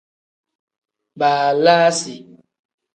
Baalasi.